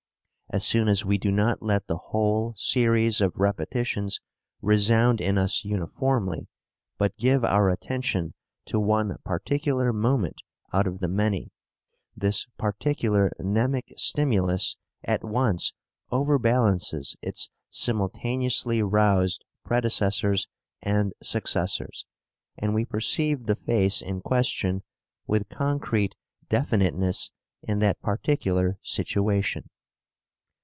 As soon as we do not let the whole series of repetitions resound in us uniformly, but give our attention to one particular moment out of the many... this particular mnemic stimulus at once overbalances its simultaneously roused predecessors and successors, and we perceive the face in question with concrete definiteness in that particular situation."